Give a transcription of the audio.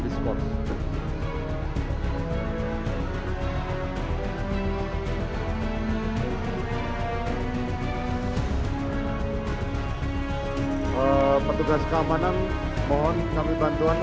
tersebut di atas